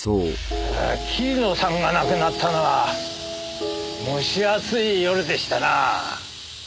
桐野さんが亡くなったのは蒸し暑い夜でしてな。